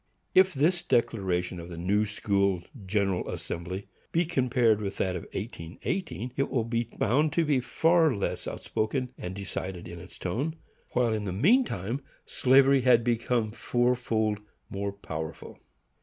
If this declaration of the New school General Assembly be compared with that of 1818, it will be found to be far less outspoken and decided in its tone, while in the mean time slavery had become four fold more powerful.